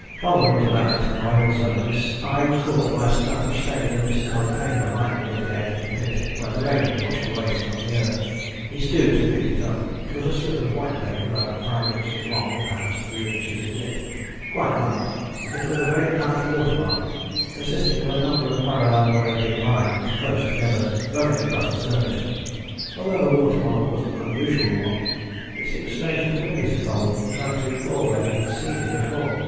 Colwyn was about to turn away also, when his eye was caught by a scrap of stained and discoloured paper lying near the edge of the pit, where the rain had washed away some of the earth. He stooped, and picked it up. It was a slip of white paper, about five inches long, and perhaps three inches in width, quite blank, but with a very apparent watermark, consisting of a number of parallel waving lines, close together, running across the surface. Although the watermark was an unusual one, it seemed strangely familiar to Colwyn, who tried to recall where he had seen it before.